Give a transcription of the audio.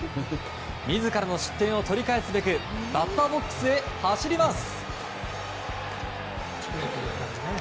自らの失点を取り返すべくバッターボックスへ走ります。